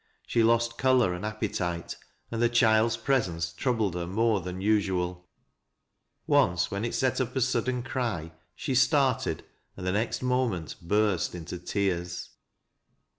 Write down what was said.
She lost color and appetite, and the child's presence troubled her more than usual. Once, when it set up a sudden cry, she started, and the next moment burst into tears.